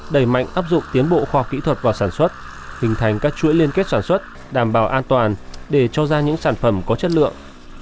đẩy mạnh áp dụng tiến bộ khoa kỹ thuật vào sản xuất hình thành các chuỗi liên kết sản xuất đảm bảo an toàn để cho ra những sản phẩm có chất lượng